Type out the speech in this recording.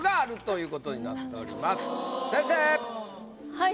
はい。